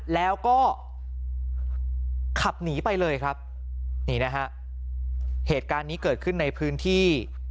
แล้วก็ขับหนีไปเลยครับนี่นะฮะเหตุการณ์นี้เกิดขึ้นในพื้นที่